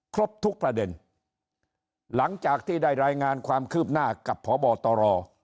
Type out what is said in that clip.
ครบทุกประเด็นหลังจากที่ได้รายงานความคืบหน้ากับพบตร